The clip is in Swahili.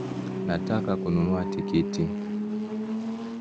Nataka kununua tikiti